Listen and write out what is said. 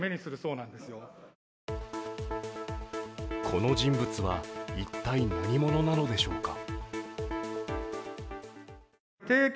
この人物は一体何者なのでしょうか。